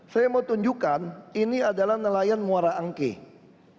saya mau tunjukkan ini adalah nelayan muara angke